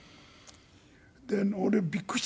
で俺びっくりして。